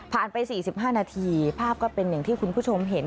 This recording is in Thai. ไป๔๕นาทีภาพก็เป็นอย่างที่คุณผู้ชมเห็น